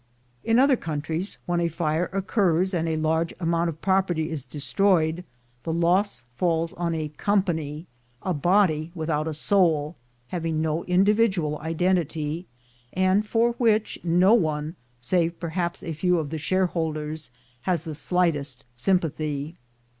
In other countries, when a fire occurs and a large amount of property is destroyed, the loss falls on a company — a body without a soul, having no individ ual identity, and for which no one, save perhaps a few of the shareholders, has the slightest sympathy.